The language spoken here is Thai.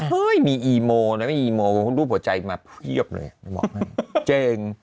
เฮ้ยมีอีโมนะมีอีโมรูปหัวใจมาเพียบเลยไม่บอกให้เจ๋ง